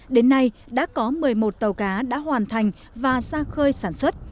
đến nay đã có một mươi một tàu cá đã hoàn thành và xa khơi sản xuất